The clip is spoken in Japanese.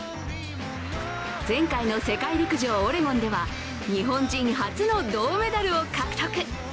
前回の世界陸上オレゴンでは日本初の銅メダルを獲得。